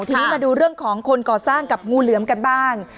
ทีนี้มาดูเรื่องของคนก่อสร้างกับงูเหลือมกันบ้าง